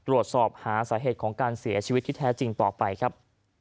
ตรวจสอบหาสาเหตุของการเสียชีวิตที่แท้จริงต่อไปครับ